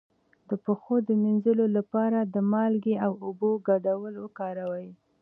د پښو د مینځلو لپاره د مالګې او اوبو ګډول وکاروئ